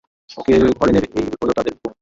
ওকে ঘরে নেবে এই হল তাদের পণ।